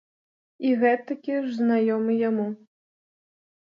І гэтакі ж знаёмы яму.